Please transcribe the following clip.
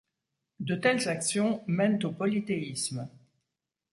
De telles actions mènent au polythéisme.